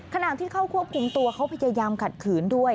ขณะที่เข้าควบคุมตัวเขาพยายามขัดขืนด้วย